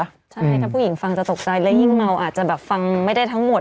ใช่ถ้าผู้หญิงฟังจะตกใจและยิ่งเมาอาจจะแบบฟังไม่ได้ทั้งหมด